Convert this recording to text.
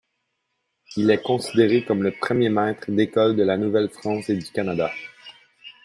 Il est considéré comme le premier maître d'école de la Nouvelle-France et du Canada.